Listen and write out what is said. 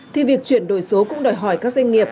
thì việc chuyển đổi số cũng đòi hỏi các doanh nghiệp